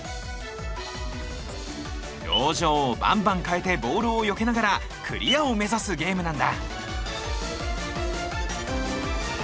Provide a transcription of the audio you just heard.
表情をバンバン変えてボールをよけながらクリアを目指すゲームなんだ！